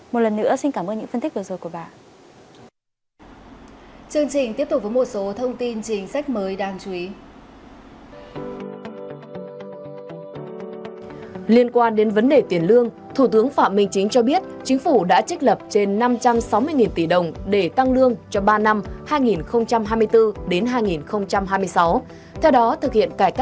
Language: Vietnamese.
một lần nữa xin cảm ơn những phân tích vừa rồi của bà